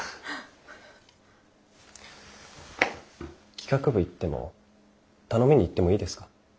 企画部行っても頼みに行ってもいいですか？